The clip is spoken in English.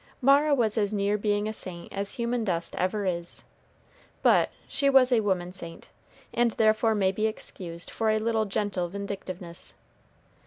Mara was as near being a saint as human dust ever is; but she was a woman saint; and therefore may be excused for a little gentle vindictiveness.